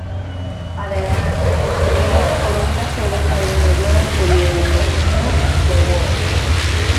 Además, escribía una columna sobre jardinería en el periódico "News of the World".